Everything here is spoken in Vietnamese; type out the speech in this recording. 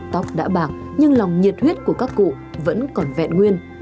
tóc đã bạc nhưng lòng nhiệt huyết của các cụ vẫn còn vẹn nguyên